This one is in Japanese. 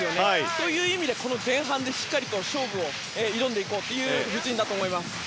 そういう意味で前半でしっかり勝負に挑んでいこうという布陣だと思います。